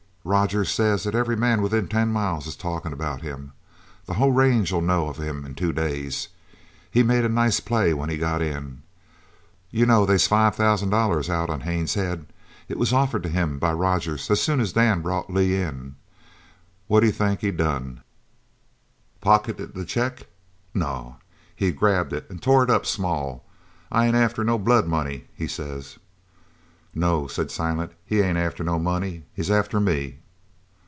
"Rogers says every man within ten miles is talkin' about him. The whole range'll know of him in two days. He made a nice play when he got in. You know they's five thousand out on Haines's head. It was offered to him by Rogers as soon as Dan brought Lee in. What d'you think he done? Pocketed the cheque? No, he grabbed it, an' tore it up small: 'I ain't after no blood money,' he says." "No," said Silent. "He ain't after no money he's after me!"